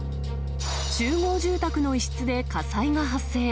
集合住宅の一室で火災が発生。